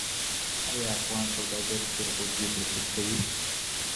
ایا افغان سوداګر جلغوزي پروسس کوي؟